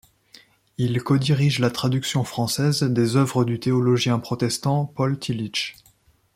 Il codirige la traduction française des œuvres du théologien protestant Paul Tillich.